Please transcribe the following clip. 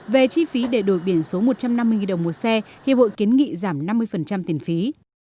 về chi phí để đổi biển số một trăm năm mươi đồng một xe hiệp hội kiến nghị giảm năm mươi tiền phí